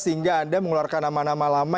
sehingga anda mengeluarkan nama nama lama